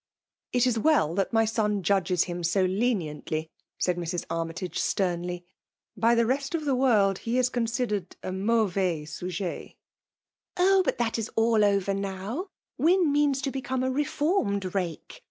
'*'* It is well that my son judges him so leni ently," said Mrs. Armytage, sternly. " By the reat of the world he is considered a mauvaisi ngdr 240 FEMALE DOMINATION. Oh ! but that is all over now. Wyh means to become a reformed rake.